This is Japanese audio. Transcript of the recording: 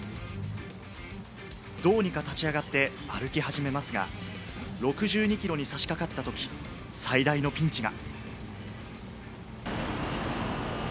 どうにか立ち上がって歩き始めますが、６２ｋｍに差し掛かったとき、最大のピンチが。